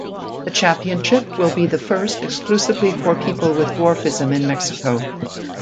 The championship will be the first exclusively for people with dwarfism in Mexico.